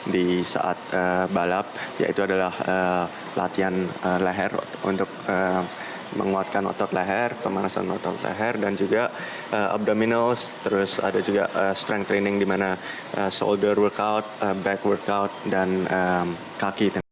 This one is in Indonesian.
di saat balap yaitu adalah latihan leher untuk menguatkan otot leher pemanasan otot leher dan juga of dominos terus ada juga strengt training di mana soulder workout back workout dan kaki